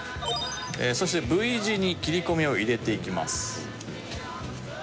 そしてＶ字に切り込みを入れていきます。